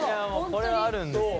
これはあるんですよね。